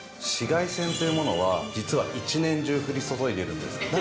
紫外線というものは実は一年中降り注いでいるんです。